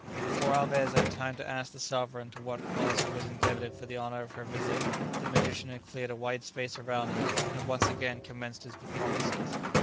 Before Alvez had time to ask the sovereign to what cause he was indebted for the honour of her visit, the magician had cleared a wide space around him, and had once again commenced his performances.